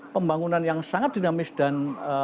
pembangunan yang sangat dinamis dan